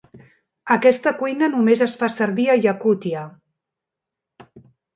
Aquesta cuina només es fa servir a Yakutia.